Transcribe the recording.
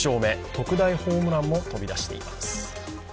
特大ホームランも飛びだしています。